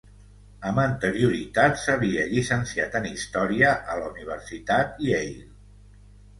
Amb anterioritat s'havia llicenciat en Història a la Universitat Yale.